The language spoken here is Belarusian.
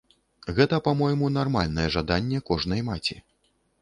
Гэта, па-мойму, нармальнае жаданне кожнай маці.